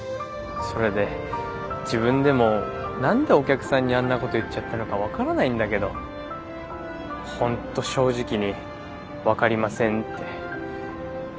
それで自分でも何でお客さんにあんなこと言っちゃったのか分からないんだけど本当正直に「分かりません」って言っちゃったんだよね。